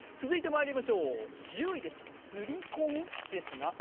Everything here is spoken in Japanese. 続いてまいりましょう、１０位、すりこみ？です。